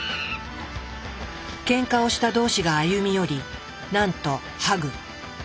ケンカをした同士が歩み寄りなんとハグ。